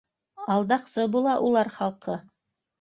Алдаҡсы була улар халҡы